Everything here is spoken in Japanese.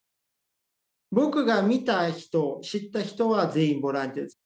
僕が見た人知った人は全員ボランティアです。